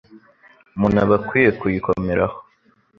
umuntu aba akwiye kuyikomeraho.